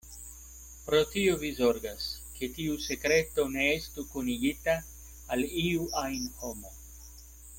Pro tio vi zorgas, ke tiu sekreto ne estu konigita al iu ajn homo.